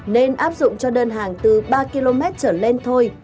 nên áp dụng cho đơn hàng từ ba km trở lên thôi